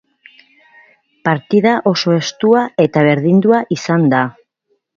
Partida oso estua eta berdindua izan da.